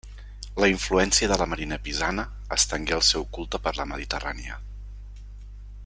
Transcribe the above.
La influència de la marina pisana estengué el seu culte per la Mediterrània.